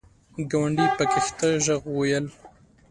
ګاونډي په کښته ږغ وویل !